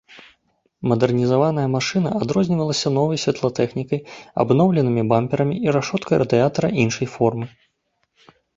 Мадэрнізаваная машына адрознівалася новай святлатэхнікай, абноўленымі бамперамі і рашоткай радыятара іншай формы.